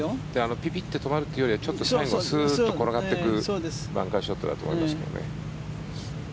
ピピッと止まるよりは最後、スーッと転がっていくバンカーショットだと思いますね。